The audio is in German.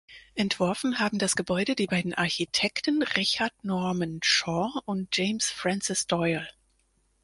Entworfen haben das Gebäude die beiden Architekten Richard Norman Shaw und James Francis Doyle.